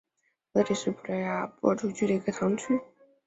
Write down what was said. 凡泽里什是葡萄牙波尔图区的一个堂区。